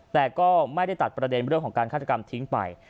แต่ก็ไม่ได้ตัดประเด็นเรื่องของการฆาตกรรมทิ้งไป